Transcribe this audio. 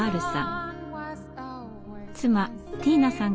妻ティーナさん